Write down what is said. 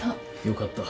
よかった。